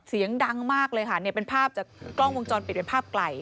เสียงดังมากเลยค่ะเนี่ยเป็นภาพจากกล้องวงจรปิดเป็นภาพไกล